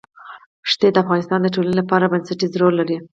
ښتې د افغانستان د ټولنې لپاره بنسټيز رول لري.